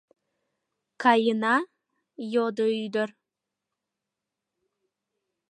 — Каена? — йодо ӱдыр.